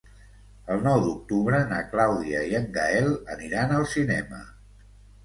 El nou d'octubre na Clàudia i en Gaël aniran al cinema.